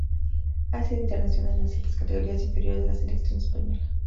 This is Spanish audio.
Ha sido internacional en distintas categorías inferiores de la selección española.